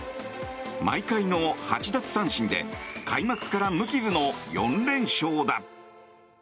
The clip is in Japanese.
毎回の８奪三振で開幕から無傷の４連勝だ。